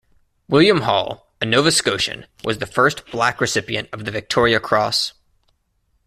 William Hall, a Nova Scotian, was the first black recipient of the Victoria Cross.